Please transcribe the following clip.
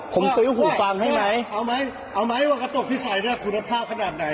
ผมซื้อหูฟังให้ไหมเอาไหมเอาไหมว่ากระจกที่ใส่เนี่ยคุณภาพขนาดไหน